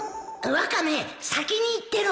ワカメ先に行ってろ